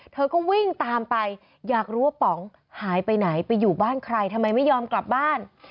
เธอก็วิ่งตามไปอยากรู้ว่าป๋องหายไปไหนไปอยู่บ้านใครทำไมไม่ยอมกลับบ้าน